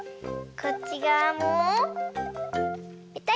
こっちがわもぺたり。